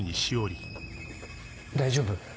大丈夫？